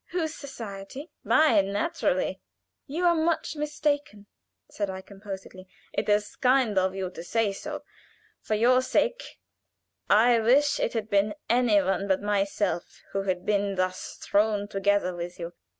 "Whose society?" "Mine, naturally." "You are much mistaken," said I, composedly. "It is kind of you to say so. For your sake, I wish it had been any one but myself who had been thus thrown together with you.